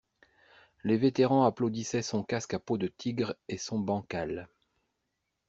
Les vétérans applaudissaient son casque à peau de tigre et son bancal.